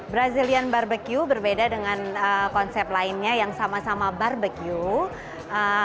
brazilian barbecue berbeda dengan konsep lainnya yang sama sama barbecue